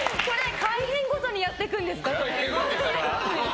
改編ごとにやっていくんですか？